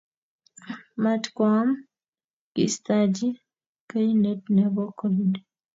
matkoam kiistaji kainet nebo covid